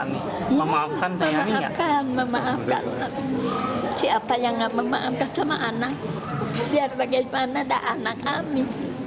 memaafkan memaafkan siapa yang enggak memaafkan sama anak biar bagaimana ada anak ami